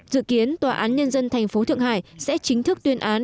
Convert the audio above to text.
dự kiến tòa án nhân dân thành phố thượng hải sẽ chính thức tuyên án